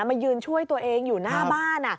มายืนช่วยตัวเองอยู่หน้าบ้าน